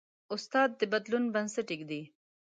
استاد د بدلون بنسټ ایږدي.